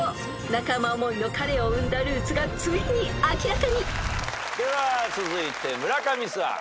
［仲間思いの彼を生んだルーツがついに明らかに］では続いて村上さん。